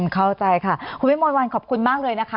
เข้าใจค่ะคุณแพทย์มนวัลขอบคุณมากเลยนะคะ